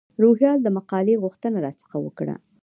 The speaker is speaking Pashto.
روهیال د مقالې غوښتنه را څخه وکړه.